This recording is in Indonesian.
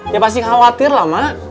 ya pasti khawatir lah mak